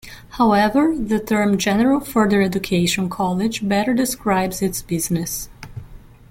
However, the term "general further education" college better describes its business.